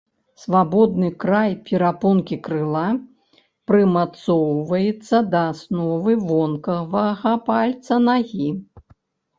Свабодны край перапонкі крыла прымацоўваецца да асновы вонкавага пальца нагі.